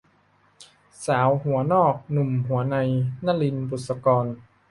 สาวหัวนอกหนุ่มหัวใน - นลิน บุษกร